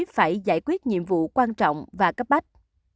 phải giải quyết nhiệm vụ quan trọng và cấp bách